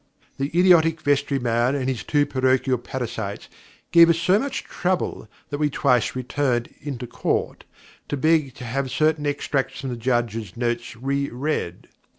The idiotic vestry man and his two parochial parasites gave us so much trouble, that we twice returned into Court, to beg to have certain extracts from the Judge's notes reread.